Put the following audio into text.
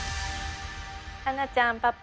巴梛ちゃんパパ。